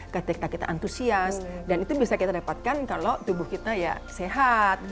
ketika kita antusias dan itu bisa kita dapatkan kalau tubuh kita ya sehat